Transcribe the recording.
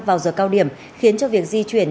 vào giờ cao điểm khiến cho việc di chuyển